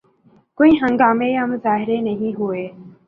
کوئی ہنگامے یا مظاہرے نہیں ہوئے۔